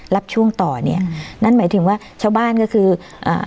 รับช่วงต่อเนี้ยนั่นหมายถึงว่าชาวบ้านก็คืออ่า